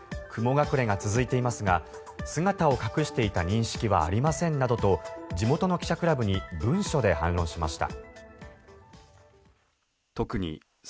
雲隠れが続いていますが姿を隠していた認識はありませんなどと地元の記者クラブに文書で反論しました。